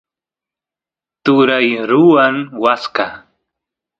turay ruwan waska